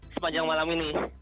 sepanjang malam ini